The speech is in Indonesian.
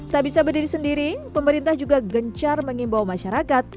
tak bisa berdiri sendiri pemerintah juga gencar mengimbau masyarakat